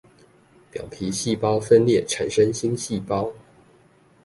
表皮細胞分裂產生新細胞